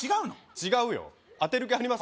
違うよ当てる気あります？